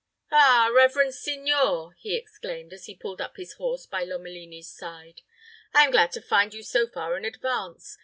"Ah, reverend signor," he exclaimed, as he pulled up his horse by Lomelini's side, "I am glad to find you so far in advance.